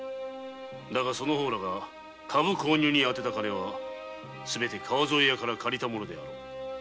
だがその方らの株購入資金はすべて川添屋から借りたものであろう！？